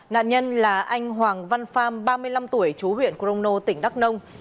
nạn nhân là anh hoàng văn phong ba mươi năm tuổi chú huyện crono tỉnh đắk nông